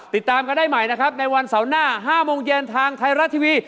ติดตามกันได้ใหม่นะครับในวันเสาร์หน้า๕โมงเย็นทางไทยรัฐทีวี